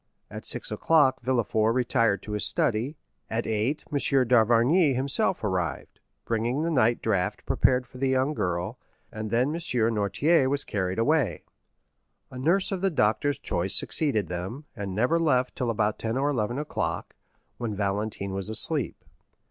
At six o'clock Villefort retired to his study, at eight M. d'Avrigny himself arrived, bringing the night draught prepared for the young girl, and then M. Noirtier was carried away. A nurse of the doctor's choice succeeded them, and never left till about ten or eleven o'clock, when Valentine was asleep.